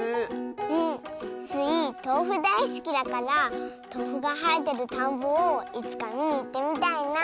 うん。スイとうふだいすきだからとうふがはえてるたんぼをいつかみにいってみたいなあ。